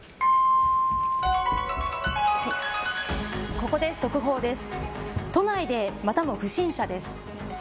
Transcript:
ここで速報です。